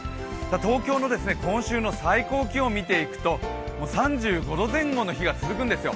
東京の今週の最高気温見ていくと３５度前後の日が続くんですよ。